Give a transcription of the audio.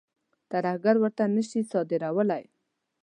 ترهګر ورته نه شي صادرولای.